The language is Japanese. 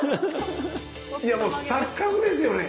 いやもう錯覚ですよね！